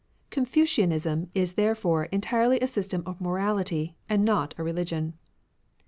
Confucianism is therefore entirely a system of morality, and not a religion.